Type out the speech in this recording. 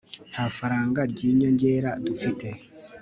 nta faranga ry'inyongera dufite